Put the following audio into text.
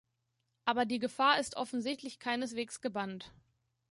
Aber die Gefahr ist offensichtlich keineswegs gebannt.